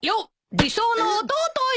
理想の弟よ。